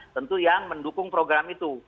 tentu yang mendukung program itu